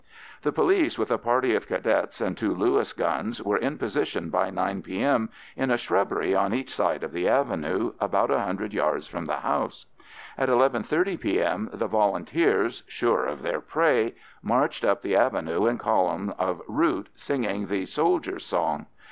The police, with a party of Cadets and two Lewis guns, were in position by 9 P.M. in a shrubbery on each side of the avenue, about a hundred yards from the house. At 11.30 P.M. the Volunteers, sure of their prey, marched up the avenue in column of route, singing the "Soldiers' Song."